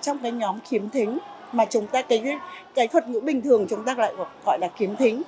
trong cái nhóm khiếm thính mà chúng ta thấy cái thuật ngữ bình thường chúng ta lại gọi là kiếm thính